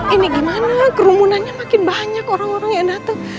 ini gimana kerumunannya makin banyak orang orang yang datang